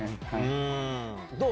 どう？